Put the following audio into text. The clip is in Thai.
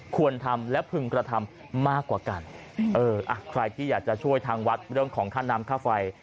ควรทำและพึงกระทำมากกว่ากันเอออ่ะใครที่อยากจะช่วยทางวัดเรื่องของค่าน้ำค่าไฟ